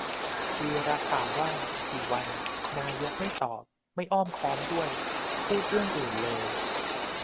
วีระถามว่า กี่วัน นายกไม่ตอบ ไม่อ้อมค้อมด้วย พูดเรื่องอื่นเลย !